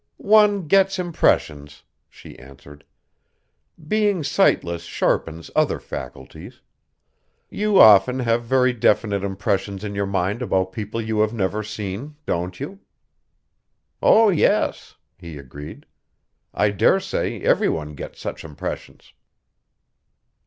"One gets impressions," she answered. "Being sightless sharpens other faculties. You often have very definite impressions in your mind about people you have never seen, don't you?" "Oh, yes," he agreed. "I daresay every one gets such impressions."